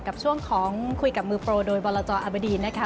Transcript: กับช่วงของคุยกับมือโปรโดยบรจอบดีนนะคะ